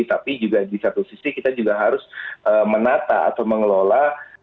tapi juga di satu sisi kita juga harus menata atau mengelola